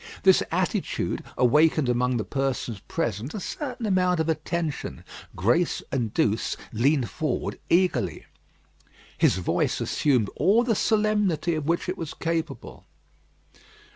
This attitude awakened among the persons present a certain amount of attention. Grace and Douce leaned forward eagerly. His voice assumed all the solemnity of which it was capable.